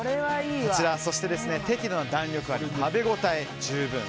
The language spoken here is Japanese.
そして、適度な弾力があり食べ応え十分。